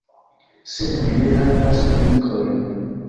Sed mi ne havas amikojn.